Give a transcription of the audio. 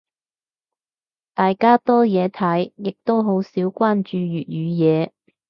大家多嘢睇，亦都好少關注粵語嘢。